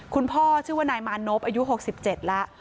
ชื่อว่านายมานพอายุ๖๗แล้ว